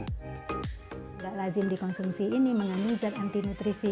tidak lazim dikonsumsi ini mengandung zat anti nutrisi